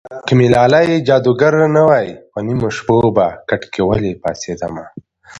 که مې لالی جادوګر نه وای په نیمو شپو به کټ کې ولې پاڅېدمه